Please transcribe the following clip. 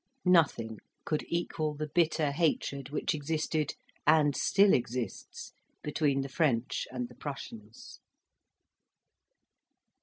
Nothing could equal the bitter hatred which existed, and still exists, between the French and the Prussians.